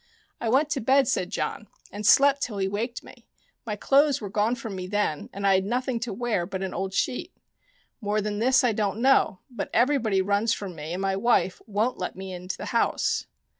" I went to bed," said John, " and slept till he waked me. My clothes were gone from me then, and I had nothing to wear but an old sheet. More than this I don't know : but everybody runs from me, and my wife won't let me into the house."